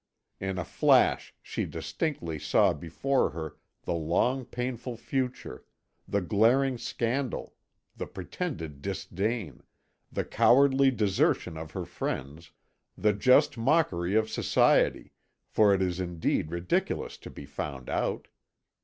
In a flash she distinctly saw before her the long painful future, the glaring scandal, the pretended disdain, the cowardly desertion of her friends, the just mockery of society, for it is indeed ridiculous to be found out.